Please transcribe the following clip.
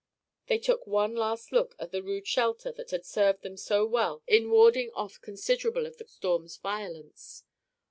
They took one last look at the rude shelter that had served them so well in warding off considerable of the storm's violence.